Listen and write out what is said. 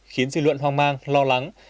khiến dư luận hoang mang lo lắng